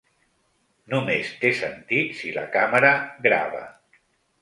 Només té sentit si la càmera grava.